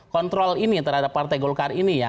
kontrol ini terhadap partai golkar ini ya